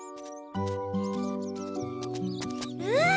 うん！